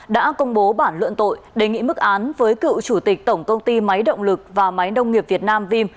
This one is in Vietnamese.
đã công bố bản luận tội đề nghị mức án với cựu chủ tịch tổng công ty máy động lực và máy nông nghiệp việt nam vim